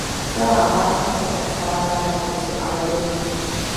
Celá báseň se tak stává jakousi alegorií.